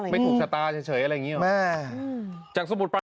ไม่ถูกสตาร์เฉยอะไรอย่างนี้หรอ